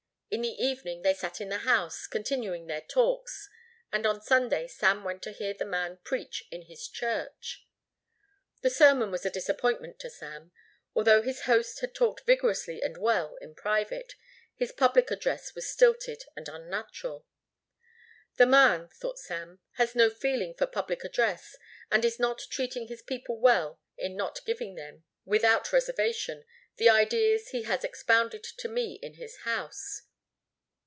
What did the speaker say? In the evening they sat in the house, continuing their talks, and on Sunday Sam went to hear the man preach in his church. The sermon was a disappointment to Sam. Although his host had talked vigorously and well in private, his public address was stilted and unnatural. "The man," thought Sam, "has no feeling for public address and is not treating his people well in not giving them, without reservation, the ideas he has expounded to me in his house."